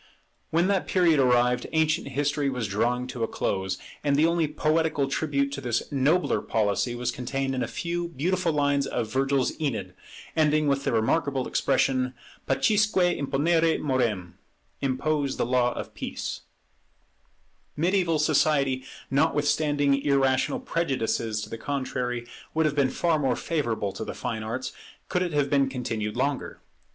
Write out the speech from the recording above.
When that period arrived, ancient history was drawing to a close, and the only poetical tribute to this nobler policy was contained in a few beautiful lines of Virgil's Æneid, ending with the remarkable expression, Pacisque imponere morem, (Impose the law of peace.) [Nor under the Mediaeval system] Mediaeval society, notwithstanding irrational prejudices to the contrary, would have been far more favourable to the fine arts, could it have continued longer.